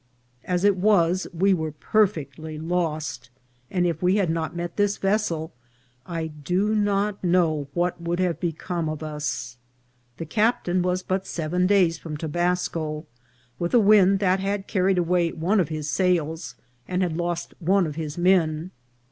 As it was, we were perfectly lost ; and if we had not met this vessel, I do not know what would have become of us. The captain was but seven days from Tobasco, with a wind that had carried away one of his sails, and had lost one of his men.